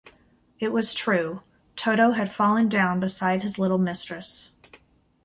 It was true; Toto had fallen down beside his little mistress.